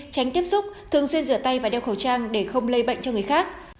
tránh tiếp xúc thường xuyên rửa tay và đeo khẩu trang để không lây bệnh cho người khác